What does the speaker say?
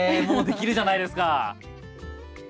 もうできるじゃないですか。